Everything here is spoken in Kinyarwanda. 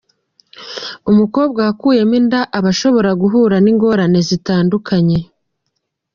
Umukobwa wakuyemo inda aba ashobora guhura n’ingorane zitandukanye.